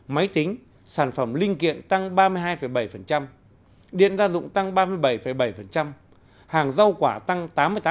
máy tính sản phẩm linh kiện tăng ba mươi hai bảy điện gia dụng tăng ba mươi bảy bảy hàng rau quả tăng tám mươi tám